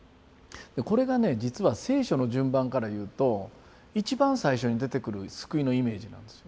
これがね実は聖書の順番からいうと一番最初に出てくる救いのイメージなんですよ。